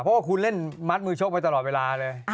เพราะว่าคุณเล่นมัดมือชกไว้ตลอดเวลาเลย